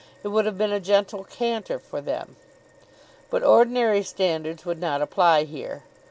It would have been a gentle canter for them. But ordinary standards would not apply here.